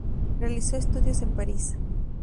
Realizó estudios en París.